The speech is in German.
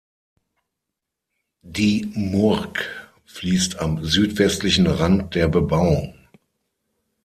Die Murg fließt am südwestlichen Rand der Bebauung.